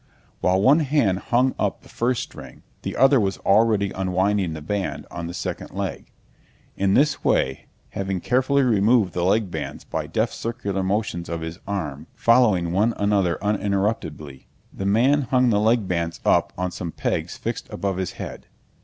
While one hand hung up the first string the other was already unwinding the band on the second leg. In this way, having carefully removed the leg bands by deft circular motions of his arm following one another uninterruptedly, the man hung the leg bands up on some pegs fixed above his head.